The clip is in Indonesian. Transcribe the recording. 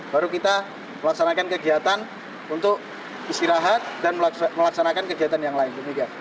baru kita melaksanakan kegiatan untuk istirahat dan melaksanakan kegiatan yang lain demikian